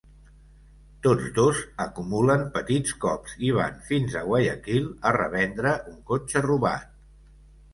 Tots dos acumulen petits cops i van fins a Guayaquil a revendre un cotxe robat.